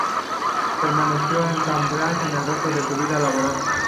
Permaneció en Cambridge el resto de su vida laboral.